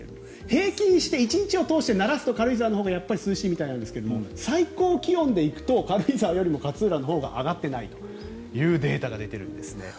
平均して１日を通してならすと軽井沢のほうがやっぱり涼しいみたいなんですが最高気温で行くと軽井沢よりも勝浦のほうが上がっていないというデータが出ているんですね。